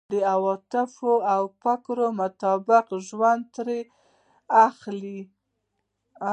د عواطفو او فکر مطابق ژوند ترې اخلو.